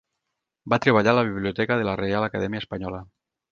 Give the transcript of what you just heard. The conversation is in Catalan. Va treballar a la biblioteca de la Reial Acadèmia Espanyola.